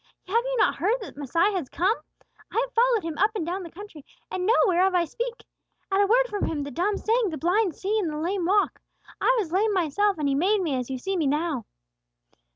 Have you not heard that Messiah has come? I have followed Him up and down the country, and know whereof I speak. At a word from Him the dumb sing, the blind see, and the lame walk. I was lame myself, and He made me as you see me now."